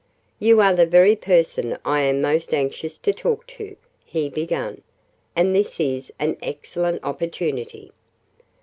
"You are the very person I am most anxious to talk to," he began, "and this is an excellent opportunity."